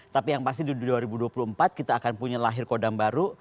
tapi yang pasti di dua ribu dua puluh empat kita akan punya lahir kodam baru